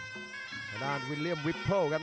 ข้างด้านวิลเลียมวิปเพิร์ลครับ